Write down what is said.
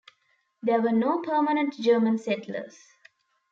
There were no permanent German settlers.